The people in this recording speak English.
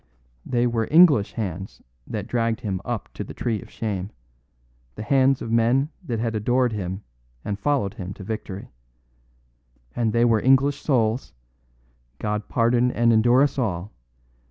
They were English hands that dragged him up to the tree of shame; the hands of men that had adored him and followed him to victory. And they were English souls (God pardon and endure us all!)